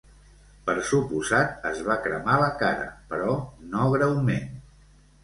Per suposat, es va cremar la cara, però no greument.